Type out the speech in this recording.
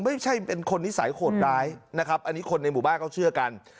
ไม่ใช่เป็นคนนิสัยโหดร้ายนะครับอันนี้คนในหมู่บ้านเขาเชื่อกัน